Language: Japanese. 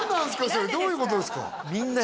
それどういうことですか？